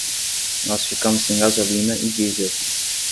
Nós ficamos sem gasolina e diesel.